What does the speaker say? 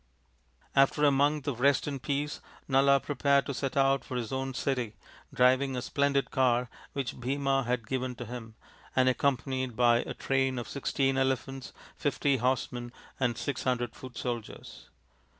After a month of rest and peace Nala prepared to set out for his own city, driving a splendid car which Bhima had given to him, and accompanied by a train of sixteen elephants, fifty horsemen, and six hundred foot soldiers.